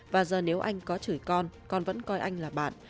và giờ nếu anh có chửi con con vẫn coi anh là bạn